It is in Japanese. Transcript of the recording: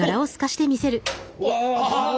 うわ！